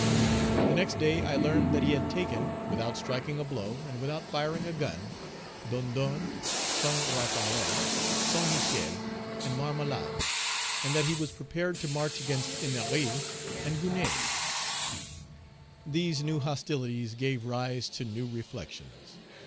The next day I learned that he had taken, without striking a blow and without firing a gun, Dondon, St. Raphaël, St. Michel and Marmelade, and that he was prepared to march against Ennery and Gonaïves. These new hostilities gave rise to new reflections.